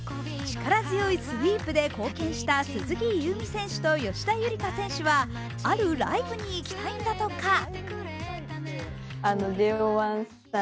力強いスイープで貢献した鈴木夕湖選手と吉田夕梨花選手はあるライブに行きたいんだとか。